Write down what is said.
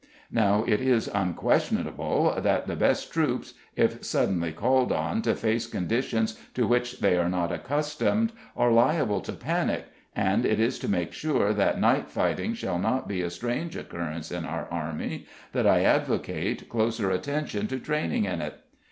Now it is unquestionable that the best troops, if suddenly called on to face conditions to which they are not accustomed, are liable to panic, and it is to make sure that night fighting shall not be a strange occurrence in our Army that I advocate closer attention to training in it.